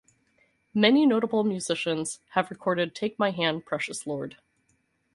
Many notable musicians have recorded "Take My Hand, Precious Lord".